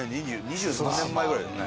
二十何年前ぐらいだよね。